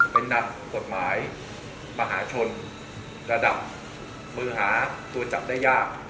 เป็นนักกฎหมายมหาชนระดับมือหาตัวจับได้ยาก